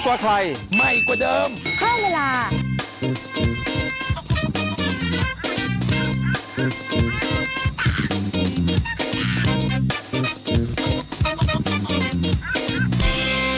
สวัสดีค่ะ